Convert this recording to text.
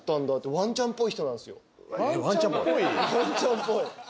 ワンちゃんっぽい。